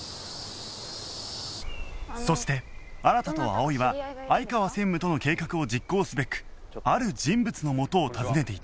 そして新と葵は相川専務との計画を実行すべくある人物のもとを訪ねていた